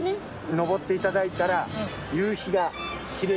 登っていただいたらお！